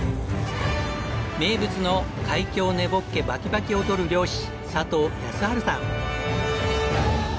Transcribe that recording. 名物の海峡根ボッケ・バキバキを取る漁師佐藤靖治さん。